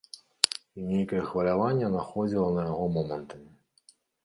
І нейкае хваляванне находзіла на яго момантамі.